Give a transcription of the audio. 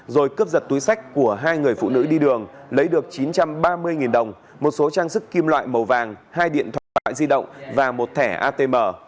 rồi cướp giật túi sách của hai người phụ nữ đi đường lấy được chín trăm ba mươi đồng một số trang sức kim loại màu vàng hai điện thoại di động và một thẻ atm